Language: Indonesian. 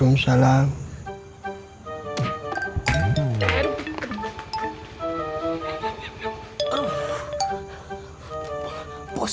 dulu biar air sudah gampang